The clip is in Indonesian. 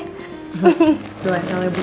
itulah el ebu